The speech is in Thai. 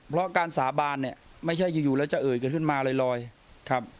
เพราะการสาบานเนี่ยไม่ใช่อยู่แล้วจะเอ่ยกันขึ้นมาลอยครับ